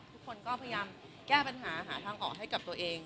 ทุกคนก็พยายามแก้ปัญหาหาทางออกให้กับตัวเอง